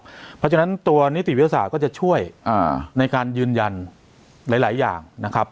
เพราะฉะนั้นตัวนิติวิทยาศาสตร์ก็จะช่วยในการยืนยันหลายอย่างนะครับ